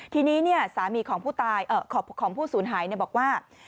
ทีนี้สามีของผู้สูญหายบอกว่า